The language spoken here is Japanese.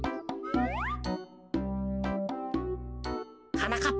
はなかっ